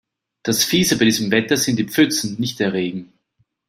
Das Fiese bei diesem Wetter sind die Pfützen, nicht der Regen.